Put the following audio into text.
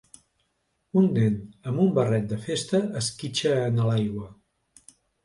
Un nen amb un barret de festa esquitxa en l'aigua